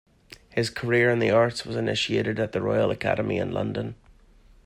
His career in the arts was initiated at the Royal Academy in London.